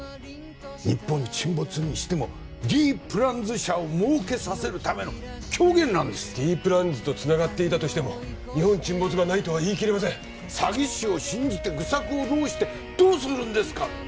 日本沈没にしてもＤプランズ社を儲けさせるための狂言なんですＤプランズとつながっていたとしても日本沈没がないとは言い切れません詐欺師を信じて愚策を弄してどうするんですか？